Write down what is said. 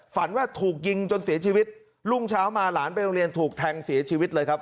ฝันว่าถูกยิงจนเสียชีวิตรุ่งเช้ามาหลานไปโรงเรียนถูกแทงเสียชีวิตเลยครับ